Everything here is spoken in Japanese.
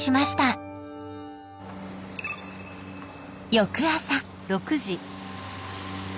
翌朝。